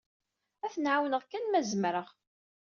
Ad ten-ɛawneɣ kan, ma zemreɣ.